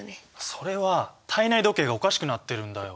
それは体内時計がおかしくなってるんだよ。